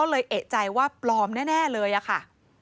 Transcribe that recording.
เอกใจว่าปลอมแน่เลยอะค่ะ